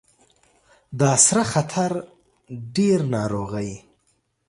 دا سره خطر ډیر ناروغۍ